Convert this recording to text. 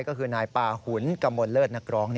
ก็คือนายปาหุนกมลเลิศนักร้อง